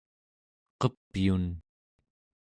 qepyun